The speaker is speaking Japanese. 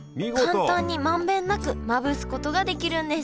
簡単に満遍なくまぶすことができるんです